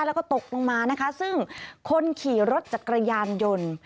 แล้วก็ตกลงมานะคะซึ่งคนขี่รถจักรยานยนต์